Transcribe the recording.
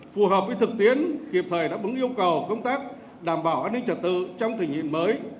phù hợp với thực tiến khiệp thời đã bứng yêu cầu công tác đảm bảo an ninh trật tư trong thịnh hiện mới